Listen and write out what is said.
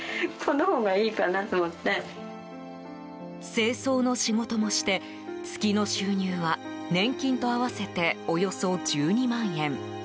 清掃の仕事もして月の収入は年金と合わせておよそ１２万円。